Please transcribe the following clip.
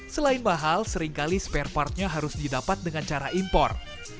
selain mahal seringkali spare partnya harus didapat dengan cara impor